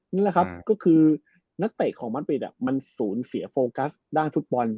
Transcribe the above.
นี่แหละครับก็คือนักเตะของมัดปิดมันสูญเสียโฟกัสด้านฟุตบอล